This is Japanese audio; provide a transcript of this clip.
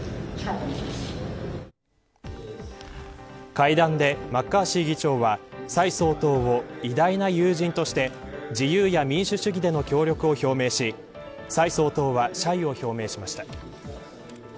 会談でマッカーシー議長は蔡総統を、偉大な友人として自由や民主主義での協力を表明し蔡総統は謝意を表明しました。